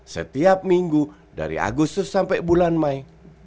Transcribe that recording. setiap minggu dari agustus sampai bulan mei